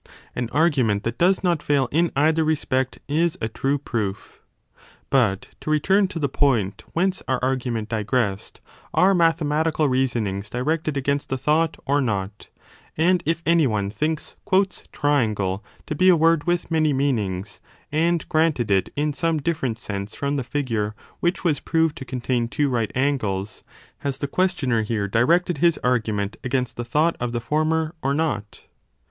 An argument that does not fail in either respect is a true proof. But, to return to the point whence our argument digressed, 1 are mathematical reasonings directed against the thought, or not ? And if any one thinks triangle to be a word with many meanings, and granted it in some 15 different sense from the figure which was proved to con tain two right angles, has the questioner here directed his argument against the thought of the former or not